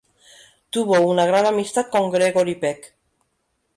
Tuvo una gran amistad con Gregory Peck.